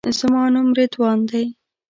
زما نوم رضوان دی.